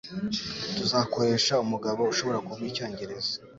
Tuzakoresha umugabo ushobora kuvuga icyongereza.